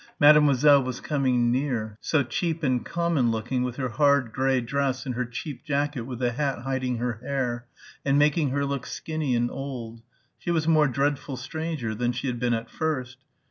Mademoiselle was coming near ... so cheap and common looking with her hard grey dress and her cheap jacket with the hat hiding her hair and making her look skinny and old. She was a more dreadful stranger than she had been at first